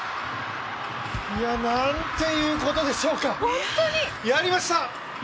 なんていうことでしょうか、やりました！